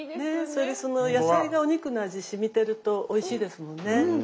それでその野菜がお肉の味しみてるとおいしいですもんね。